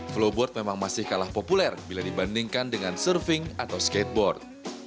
flowboard memang masih kalah populer bila dibandingkan dengan surfing atau skateboard